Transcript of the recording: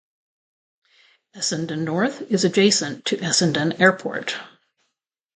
Essendon North is adjacent to Essendon Airport.